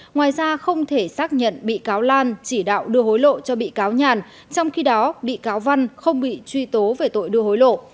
ngoài ra không thể xác nhận bị cáo lan chỉ đạo đưa hối lộ cho bị cáo nhàn trong khi đó bị cáo văn không bị truy tố về tội đưa hối lộ